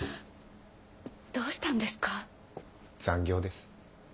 残業です。